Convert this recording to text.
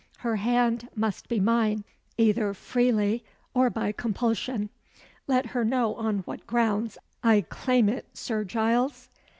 Her hand must be mine, either freely, or by compulsion. Let her know on what grounds I claim it, Sir Giles."